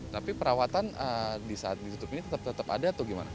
tapi perawatan di saat ditutup ini tetap tetap ada atau gimana